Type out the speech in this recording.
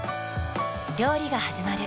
料理がはじまる。